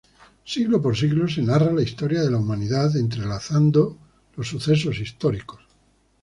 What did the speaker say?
Siglo por siglo, se narra la historia de la humanidad, entrelazando los sucesos históricos.